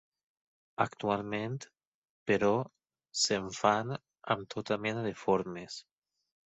Actualment, però, se'n fan amb tota mena de formes.